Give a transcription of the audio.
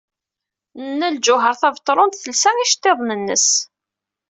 Nna Lǧuheṛ Tabetṛunt telsa iceḍḍiḍen-nnes.